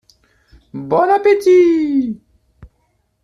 Bon appétit !